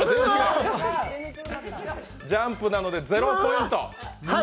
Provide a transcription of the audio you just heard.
ジャンプなので、０ポイント。